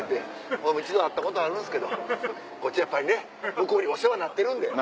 俺も一度会ったことあるんですけどこっちやっぱりね向こうにお世話になってるんで。